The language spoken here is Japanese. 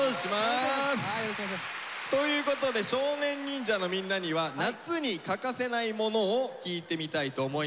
お願いします！ということで少年忍者のみんなには夏に欠かせないものを聞いてみたいと思います。